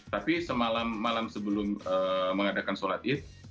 tapi semalam malam sebelum mengadakan sholat id